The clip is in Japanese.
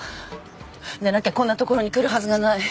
じゃなきゃこんな所に来るはずがない。